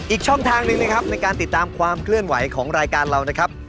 อีกช่องทางหนึ่งนะครับในการติดตามความเคลื่อนไหวของรายการเรานะครับ